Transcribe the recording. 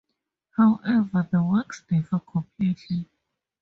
However, the works differ completely.